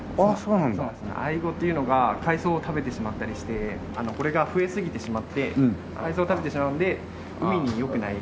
アイゴというのが海藻を食べてしまったりしてこれが増えすぎてしまって海藻を食べてしまうんで海に良くない。